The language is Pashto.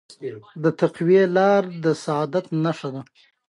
د تقوی لاره د سعادت نښه ده.